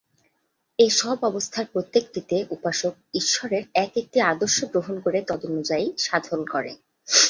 এ-সব অবস্থার প্রত্যেকটিতে উপাসক ঈশ্বরের এক-একটি আদর্শ গ্রহণ করে তদনুযায়ী সাধন করে।